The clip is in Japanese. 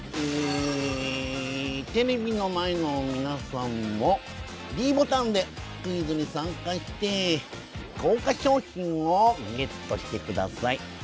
ええテレビの前の皆さんもｄボタンでクイズに参加して豪華賞品をゲットしてください